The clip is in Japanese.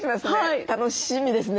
楽しみですね。